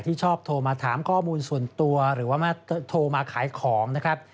ที่ชอบโทรมาถามข้อมูลส่วนตัวหรือว่ามาโทรมาขายของนะครับ